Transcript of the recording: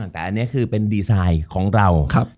แต่อันนี้คือเป็นดีไซน์ของเรา